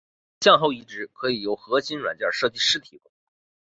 向后移植可以由核心软件设计师提供。